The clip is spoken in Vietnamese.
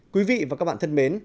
quý vị và các bạn thân mến